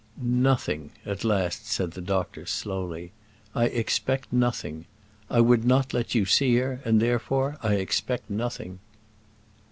"Nothing," at last said the doctor, slowly. "I expect nothing. I would not let you see her, and therefore, I expect nothing."